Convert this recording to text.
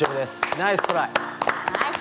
ナイストライ。